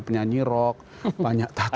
penyanyi rock banyak tattoo